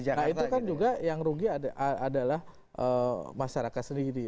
nah itu kan juga yang rugi adalah masyarakat sendiri